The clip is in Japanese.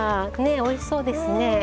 ねっおいしそうですね。